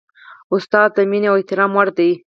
استاد د مینې او احترام وړ دی.